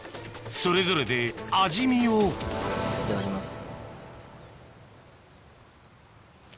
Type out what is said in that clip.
それぞれで味見をいただきます。